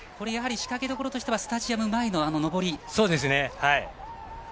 仕掛けどころとしてはスタジアム前の上り。